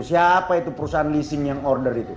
siapa itu perusahaan leasing yang order itu